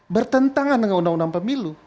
bertentangan dengan undang undang pemilu